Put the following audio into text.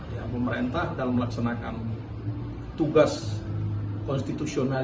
ya pemerintah dalam melaksanakan tugas konstitusional